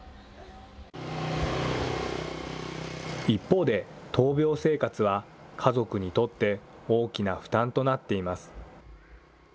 一方で、闘病生活は家族にとって大きな負担となっています。